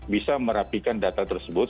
bisa merapikan data tersebut